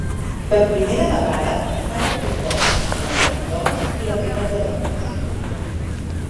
Per primera vegada, estava compost amb la meitat d'homes i la meitat de dones.